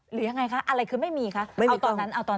หรือยังไงคะอะไรคือไม่มีคะเอาตอนนั้นเอาตอน